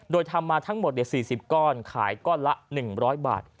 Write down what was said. โดยทำมาทั้งหมด๔๐ก้อนขายก้อนละ๑๐๐บาท